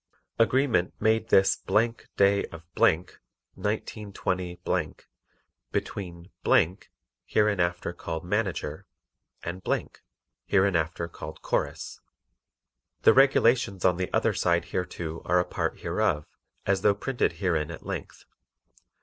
AGREEMENT made this day of , 192 , between (hereinafter called "Manager") and (hereinafter called "Chorus"). The regulations on the other side hereto are a part hereof, as though printed herein at length.